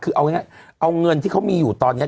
เอาเงินที่เขามีอยู่ตอนนี้